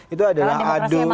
itu adalah adu